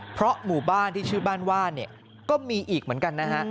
เพราะหมู่บ้านที่ชื่อบ้านว่านเนี่ยก็มีอีกเหมือนกันนะฮะ